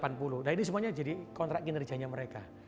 nah ini semuanya jadi kontrak kinerjanya mereka